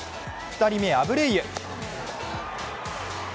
２人目、アブレイユ。